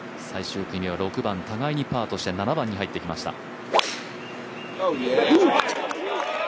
最終組は６番、互いにパーとして７番に入ってきました。